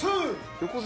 横綱？